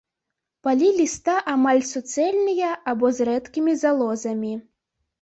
Палі ліста амаль суцэльныя або з рэдкімі залозамі.